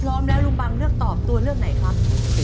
พร้อมแล้วลุงบังเลือกตอบตัวเลือกไหนครับ